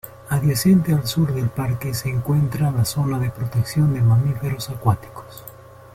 Adyacente al sur del parque se encuentra la zona de protección de mamíferos acuáticos.